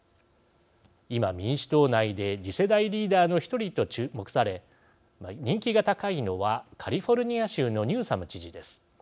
今、民主党内で次世代リーダーの１人と注目され、人気が高いのはカリフォルニア州のニューサム知事です。